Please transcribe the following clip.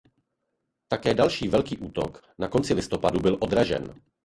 Také další velký útok na konci listopadu byl odražen.